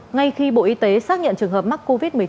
ngay khi bộ y tế xác nhận trường hợp mắc covid một mươi chín